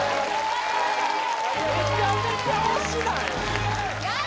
めちゃめちゃ惜しない？